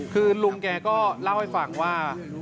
คือลุงแกก็เล่าให้ฟังว่า